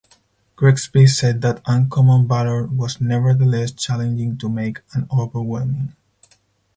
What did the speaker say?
Grigsby said that "Uncommon Valor" was nevertheless challenging to make and "overwhelming".